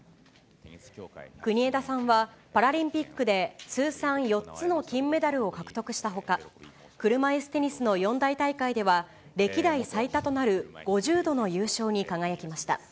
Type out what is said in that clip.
国枝さんは、パラリンピックで通算４つの金メダルを獲得したほか、車いすテニスの四大大会では、歴代最多となる５０度の優勝に輝きました。